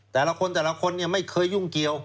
แต่ละคนแต่ละคนไม่เคยยุ่งเกี่ยว